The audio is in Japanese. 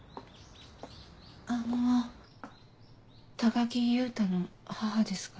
あの高木優太の母ですが。